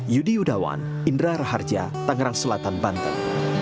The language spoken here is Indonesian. yudi yudawan indra raharja tangerang selatan banten